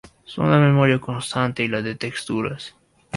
Son la memoria constante y la de texturas.